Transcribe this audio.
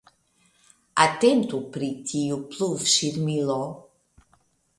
Atentu pri tiu pluvŝirmilo!